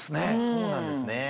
そうなんですね。